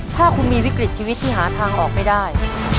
ถ้าคุณมีวิกฤตชีวิตที่หาทางออกไม่ได้